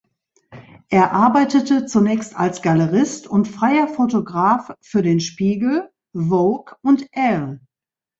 Er arbeitete zunächst als Galerist und freier Fotograf für den "Spiegel", "Vogue" und "Elle".